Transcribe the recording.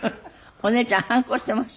お姉ちゃん反抗してます？